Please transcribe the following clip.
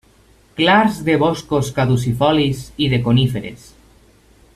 Clars de boscos caducifolis i de coníferes.